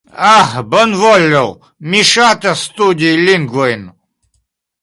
Ah... Bonvolu, mi ŝatas studi lingvojn...